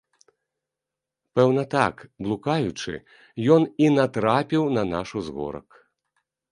Пэўна, так, блукаючы, ён і натрапіў на наш узгорак.